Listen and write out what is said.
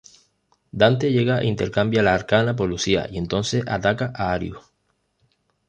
Dante llega e intercambia la Arcana por Lucía, entonces ataca a Arius.